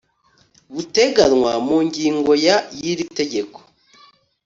buteganywa mu ngingo ya y iri tegeko